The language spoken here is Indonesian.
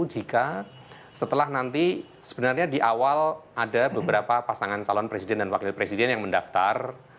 jika setelah nanti sebenarnya di awal ada beberapa pasangan calon presiden dan wakil presiden yang mendaftar